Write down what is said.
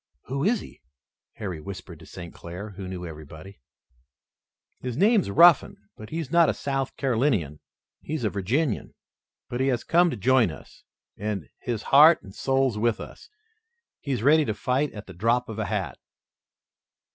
"Who is he?" Harry whispered to St. Clair, who knew everybody. "His name's Ruffin, but he's not a South Carolinian. He's a Virginian, but he has come to join us, and he's heart and soul with us. He's ready to fight at the drop of a hat."